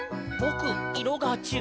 いろがちがうよ」